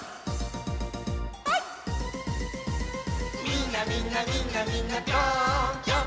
「みんなみんなみんなみんなぴょーんぴょん」